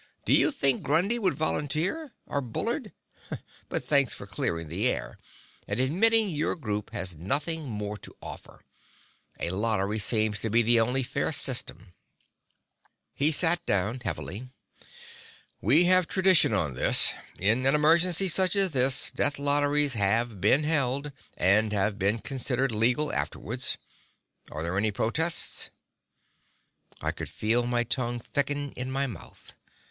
"Do you think Grundy would volunteer? Or Bullard? But thanks for clearing the air, and admitting your group has nothing more to offer. A lottery seems to be the only fair system." He sat down heavily. "We have tradition on this; in an emergency such as this, death lotteries have been held, and have been considered legal afterwards. Are there any protests?" I could feel my tongue thicken in my mouth.